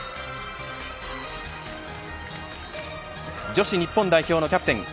女子日本代表のキャプテンＮＥＣ